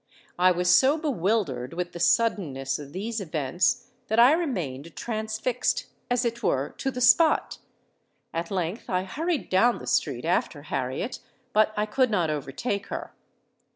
I was so bewildered with the suddenness of these events, that I remained transfixed as it were to the spot. At length I hurried down the street after Harriet;—but I could not overtake her.